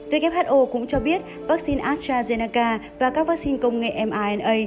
who cũng cho biết vaccine astrazeneca và các vaccine công nghệ mrna